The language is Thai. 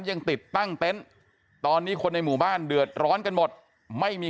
ยังติดตั้งเต็นต์ตอนนี้คนในหมู่บ้านเดือดร้อนกันหมดไม่มี